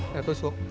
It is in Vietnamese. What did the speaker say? để tôi xuống